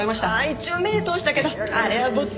一応目を通したけどあれはボツ。